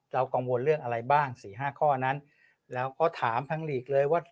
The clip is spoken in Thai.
กังวลเรื่องอะไรบ้างสี่ห้าข้อนั้นแล้วก็ถามทางลีกเลยว่า